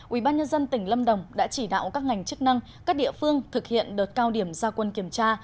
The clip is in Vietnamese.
ubnd tỉnh lâm đồng đã chỉ đạo các ngành chức năng các địa phương thực hiện đợt cao điểm gia quân kiểm tra